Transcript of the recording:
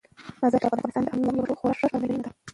مزارشریف د افغانستان د اقلیمي نظام یو خورا ښه ښکارندوی دی.